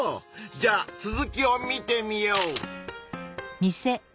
じゃあ続きを見てみよう！